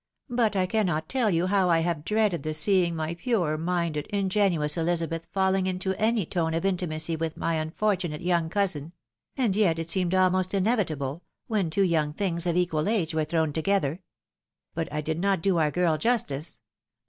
But I can not teU you how I have dreaded the seeing my pure minded, ingenuous Elizabeth falhng into any tone of intimacy with my unfortunate young cousin ; and yet it seemed almost inevitable, when two young things of equal age were thrown together. But I did not do our girl justice.